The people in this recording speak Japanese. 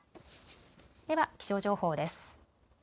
では気象情報です。